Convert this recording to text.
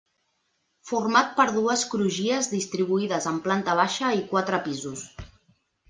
Format per dues crugies distribuïdes en planta baixa i quatre pisos.